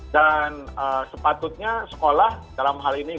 dan sepatutnya sekolah dalam hal ini